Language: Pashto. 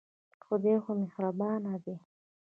خدای خو مهربانه دی.